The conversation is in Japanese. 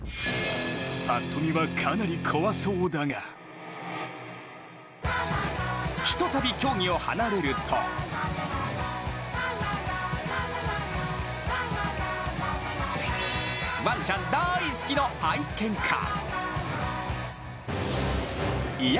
ぱっと見は、かなり怖そうだがひとたび競技を離れるとワンちゃん大好きの愛犬家。